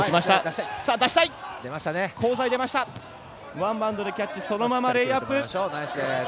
ワンバウンドでキャッチそのままレイアップ。